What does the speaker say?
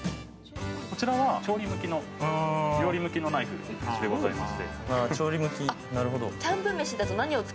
こちらは料理向きのナイフでございます。